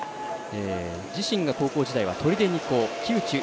自身が高校時代は取手二高。